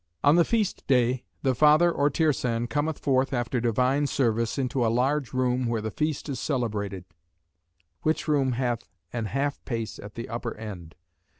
On the feast day, the father or Tirsan cometh forth after divine service into a large room where the feast is celebrated; which room hath an half pace at the upper end.